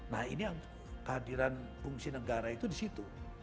nah ini yang kehadiran fungsi negara itu di situ